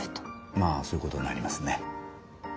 まあそういうことになりますね。